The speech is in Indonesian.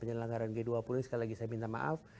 penyelenggaran g dua puluh ini sekali lagi saya minta maaf